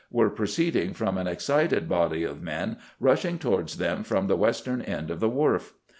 were proceeding from an excited body of men rushing towards them from the western end of the Wharf.